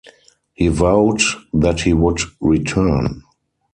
He vowed that he would return.